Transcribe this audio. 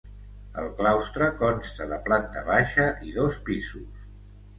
El claustre consta de planta baixa i dos pisos.